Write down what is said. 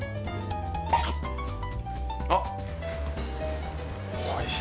あっ！